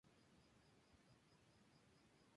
Sus emisiones han sido galardonados con numerosos premios.